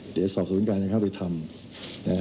เดี๋ยวสอบสวนการจะเข้าไปทำ